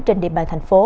trên địa bàn thành phố